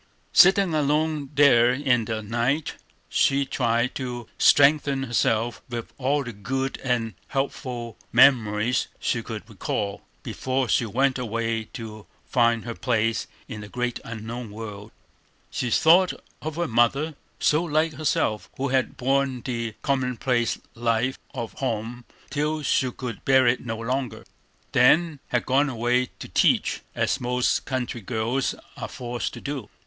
Sitting alone there in the night, she tried to strengthen herself with all the good and helpful memories she could recall, before she went away to find her place in the great unknown world. She thought of her mother, so like herself, who had borne the commonplace life of home till she could bear it no longer. Then had gone away to teach, as most country girls are forced to do.